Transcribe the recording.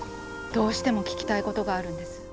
どうしても聞きたいことがあるんです。